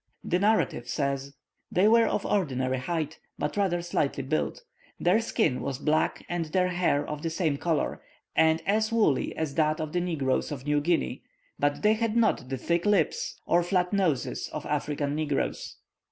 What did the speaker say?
The narrative says, "They were of ordinary height, but rather slightly built. Their skin was black and their hair of the same colour, and as woolly as that of the negroes of New Guinea, but they had not the thick lips or flat noses of African negroes.